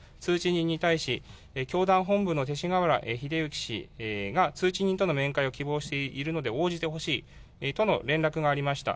人に対し、教団本部の勅使河原秀行氏が通知人との面会を希望しているので応じてほしいとの連絡がありました。